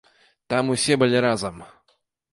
Там усе былі разам.